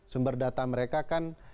sumber data mereka kan